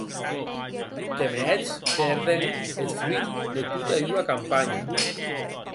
Que me hètz pèrder eth fruit de tota ua campanha.